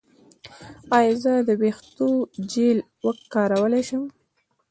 ایا زه د ویښتو جیل کارولی شم؟